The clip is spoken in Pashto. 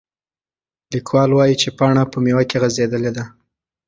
لیکوال وایي چې پاڼه په میوه کې غځېدلې ده.